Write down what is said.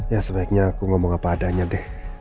ya sebaiknya aku ngomong apa adanya deh